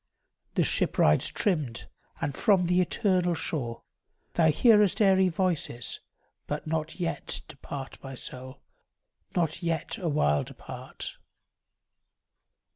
The ship rides trimmed, and from the eternal shore Thou hearest airy voices; but not yet Depart, my soul, not yet awhile depart.